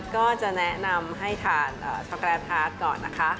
ก็จะแนะนำให้ทานช็อกโกแลตทาร์ดก่อนนะคะ